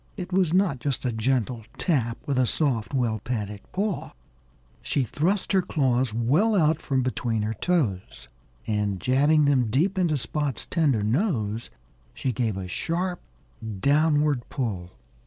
It was not just a gentle tap with a soft, well padded paw. She thrust her claws well out from between her toes. And jabbing them deep into Spot's tender nose, she gave a sharp downward pull.